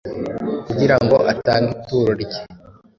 Kugira ngo atange ituro rye,